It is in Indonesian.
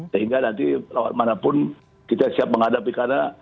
sehingga nanti kemana mana pun kita siap menghadapi karena